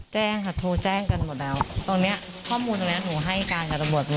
แจ้งค่ะโทรแจ้งกันหมดแล้วตรงเนี้ยข้อมูลตรงเนี้ยหนูให้การกับตำรวจหมด